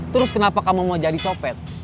terus kenapa kamu mau jadi copet